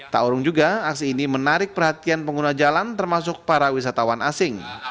tak urung juga aksi ini menarik perhatian pengguna jalan termasuk para wisatawan asing